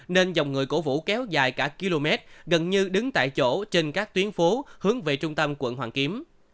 nên dòng người cổ vũ kéo dài cả km gần như đứng tại chỗ trên các tuyến phố hướng về trung tâm quận hoàn kiếm